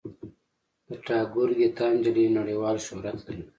د ټاګور ګیتا نجلي نړیوال شهرت لري.